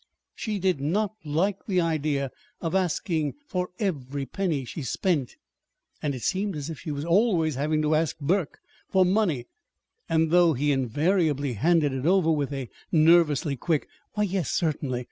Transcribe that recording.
She did not like the idea of asking for every penny she spent, and it seemed as if she was always having to ask Burke for money; and, though he invariably handed it over with a nervously quick, "Why, yes, certainly!